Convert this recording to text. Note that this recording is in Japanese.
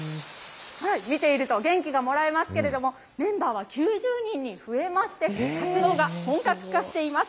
見ていると元気がもらえますけれども、メンバーは９０人に増えまして、活動が本格化しています。